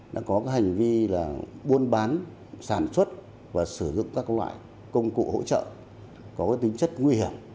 đã có hành vi là buôn bán sản xuất và sử dụng các loại công cụ hỗ trợ có tính chất nguy hiểm